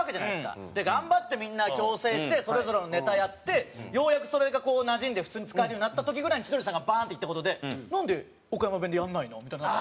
頑張ってみんな矯正してそれぞれのネタやってようやくそれがなじんで普通に使えるようになった時ぐらいに千鳥さんがバーンっていった事でなんで岡山弁でやらないの？みたいになって。